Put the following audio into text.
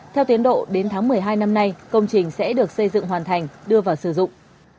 theo tiến độ đến tháng một mươi hai năm nay công trình sẽ được xây dựng hoàn thành đưa vào sử dụng